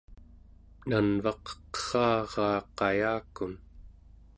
nanvaq qeraraa qayakun